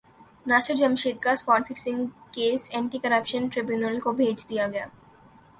ناصر جمشید کا spot fixing case anti corruption tribunal کو بھیج دیاگیا